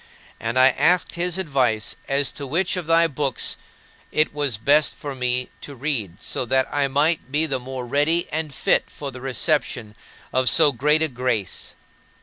And I asked his advice as to which of thy books it was best for me to read so that I might be the more ready and fit for the reception of so great a grace.